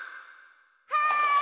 はい！